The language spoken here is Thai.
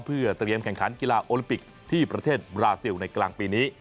เพื่อเตรียมแข่งขันกีฬาโอลิมปิกที่ประเทศบราซิลในกลางปีนี้